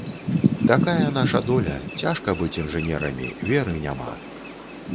Такая наша доля, цяжка быць інжынерамі, веры няма.